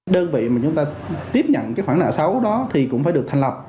đơn vị mà chúng ta tiếp nhận cái khoản nợ xấu đó thì cũng phải được thành lập